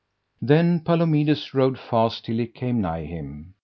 Then Palomides rode fast till he came nigh him.